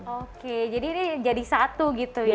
oke jadi ini jadi satu gitu ya